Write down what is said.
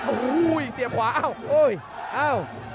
โอ้โหเสียบขวาอ้าวโอ้ยอ้าว